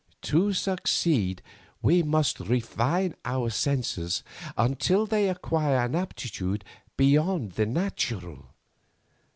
To succeed we must refine our senses until they acquire an aptitude beyond the natural.